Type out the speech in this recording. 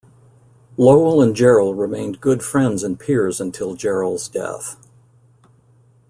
Lowell and Jarrell remained good friends and peers until Jarrell's death.